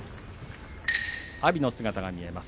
阿炎の姿が見えます。